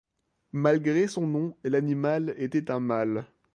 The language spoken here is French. Malgré son nom, l'animal était un mâle.